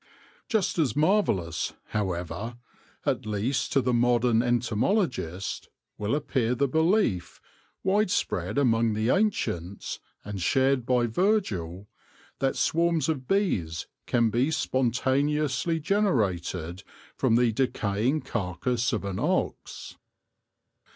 ' Just as marvellous, however — at least to the modern entomologist — will appear the belief, widespread among the ancients, and shared by Virgil, that swarms of bees can be spontaneously generated from the de caying carcass of an ox.